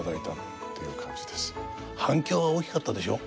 反響は大きかったでしょ？